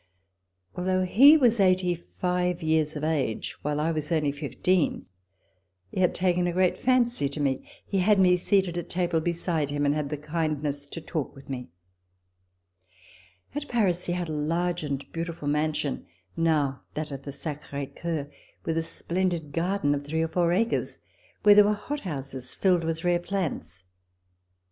Although he was eighty five years of age, while I was only fifteen, he had taken a great fancy to me. He had me seated at table beside him, and had the kindness to talk with me. At Paris he had a large and beautiful mansion, now that of the Sacre Coeur, with a splendid garden of three or four acres where there were hothouses filled with rare plants.